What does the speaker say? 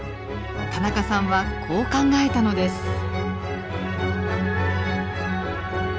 田中さんはこう考えたのです。